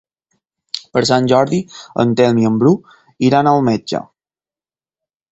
Per Sant Jordi en Telm i en Bru iran al metge.